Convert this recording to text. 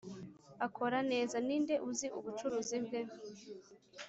akora neza ninde uzi ubucuruzi bwe.